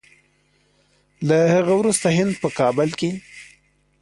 له هغه وروسته هند په کابل کې